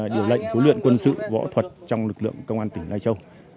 điều lệnh huấn luyện quân sự võ thuật trong lực lượng công an tỉnh lai châu